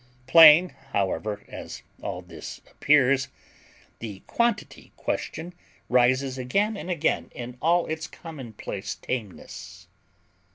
Plain, however, as all this appears, the quantity question rises again and again in all its commonplace tameness.